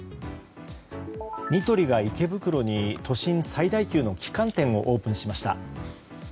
ニトリが池袋に都心最大級の旗艦店をオープンしました。